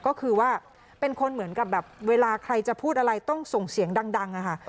ก็คือว่าเป็นคนเหมือนกับแบบเวลาใครจะพูดอะไรต้องส่งเสียงดังอะค่ะ